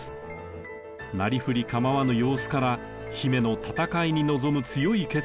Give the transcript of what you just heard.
なりふり構わぬ様子から姫の戦いに臨む強い決意が見えます。